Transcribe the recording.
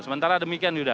sementara demikian yuda